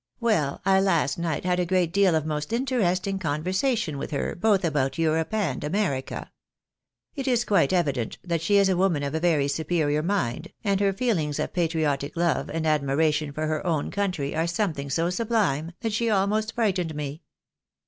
Well, I last night had a great deal of most interesting conversation with her, both about Europe and America. It is quite evident that she is a woman of a very superior mind, and her feelings of patriotic love and admiration for her own country are something so sublime, that she almost firightened me.